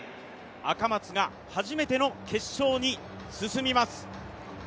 赤松が初めての決勝に進みます。